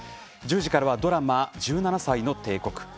１０時からはドラマ「１７才の帝国」です。